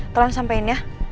tolong sampein ya